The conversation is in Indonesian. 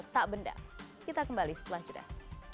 tak benda kita kembali setelah jeda